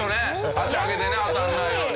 脚上げてね当たらないように。